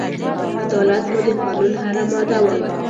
عدالت مو د قانون هره ماده وای